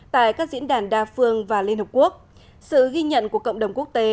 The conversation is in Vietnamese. tại các diễn đàn đa phương và liên hợp quốc sự ghi nhận của cộng đồng quốc tế